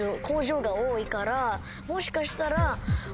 もしかしたら。